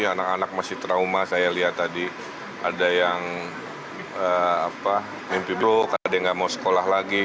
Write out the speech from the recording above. anak anak masih trauma saya lihat tadi ada yang mimpi brok ada yang nggak mau sekolah lagi